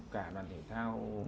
cả đoàn thể thao